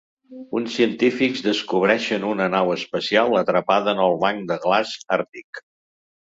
Uns científics descobreixen una nau espacial atrapada en el banc de glaç àrtic.